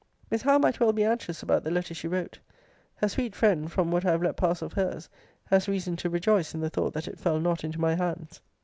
Miss Howe might well be anxious about the letter she wrote. Her sweet friend, from what I have let pass of her's, has reason to rejoice in the thought that it fell not into my hands.